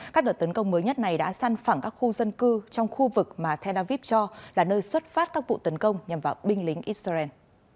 các đợt tấn công mới nhất này đã săn phẳng các khu dân cư trong khu vực mà tel aviv cho là nơi xuất phát các vụ tấn công nhằm vào binh lính israel